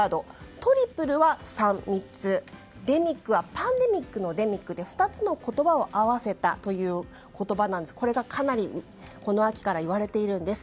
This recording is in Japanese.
トリプルは３つ、デミックはパンデミックのデミックで２つの言葉を合わせた言葉なんですがこれがかなりこの秋から言われているんです。